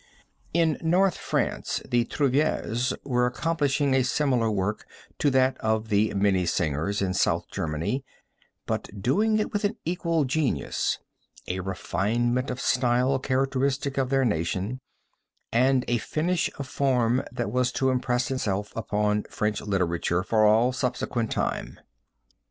In North France the Trouvères were accomplishing a similar work to that of the Minnesingers in South Germany, but doing it with an original genius, a refinement of style characteristic of their nation, and a finish of form that was to impress itself upon French literature for all subsequent time.